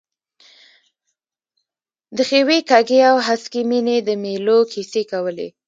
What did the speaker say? د ښیوې، کږې او هسکې مېنې د مېلو کیسې کولې.